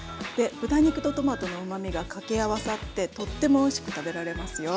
豚肉とトマトのうまみが掛け合わさってとってもおいしく食べられますよ。